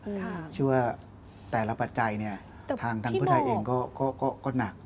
เชื่อว่าแต่ละปัจจัยเนี่ยทางเพื่อไทยเองก็ก็หนัก